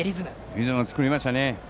リズムを作りましたね。